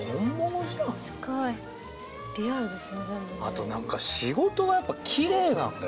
あと何か仕事がやっぱきれいなんだよね。